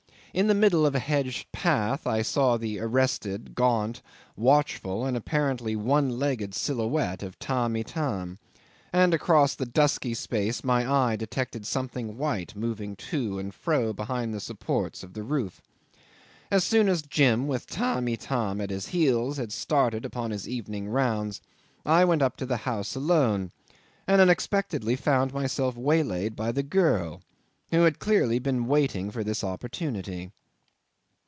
In the middle of a hedged path I saw the arrested, gaunt, watchful, and apparently one legged silhouette of Tamb' Itam; and across the dusky space my eye detected something white moving to and fro behind the supports of the roof. As soon as Jim, with Tamb' Itam at his heels, had started upon his evening rounds, I went up to the house alone, and, unexpectedly, found myself waylaid by the girl, who had been clearly waiting for this opportunity.